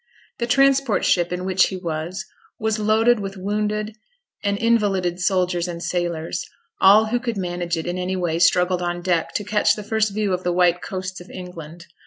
The transport ship in which he was, was loaded with wounded and invalided soldiers and sailors; all who could manage it in any way struggled on deck to catch the first view of the white coasts of England.